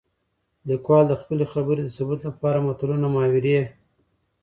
ليکوال د خپلې خبرې د ثبوت لپاره متلونه ،محاورې